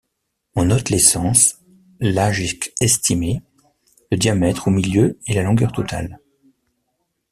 On note l'essence, l’âge estimé, le diamètre au milieu et la longueur totale.